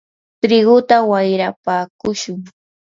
triguta wayrapakushun.